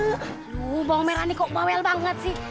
aduh bau merah kok bawel banget sih